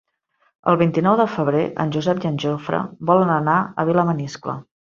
El vint-i-nou de febrer en Josep i en Jofre volen anar a Vilamaniscle.